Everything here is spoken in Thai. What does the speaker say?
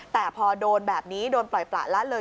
แต่พอโดนแบบนี้โดนปล่อยประละเลย